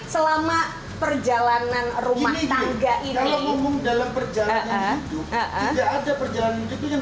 selama perjalanan rumah tangga ini dalam perjalanan hidup ada perjalanan itu yang